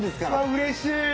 うれしい。